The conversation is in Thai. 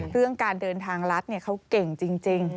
เรื่องการเดินทางรัฐเขาเก่งจริง